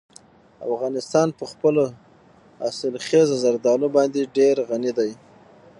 افغانستان په خپلو حاصلخیزه زردالو باندې ډېر غني دی.